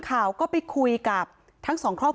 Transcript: คือแตกต่างกันชัดมากแต่มีปัญหาเรื่องของการสลับศพกันเนี่ยค่ะ